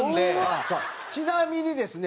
ちなみにですね